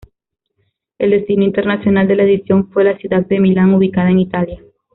El destino internacional de la edición fue la ciudad de Milán ubicada en Italia.